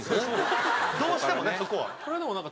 どうしてもねそこは。